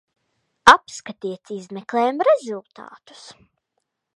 Apskatiet izmeklējuma rezultātus!